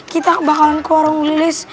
kita bakalan ke warung lilis